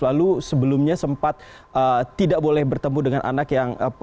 lalu sebelumnya sempat tidak boleh bertemu dengan anak yang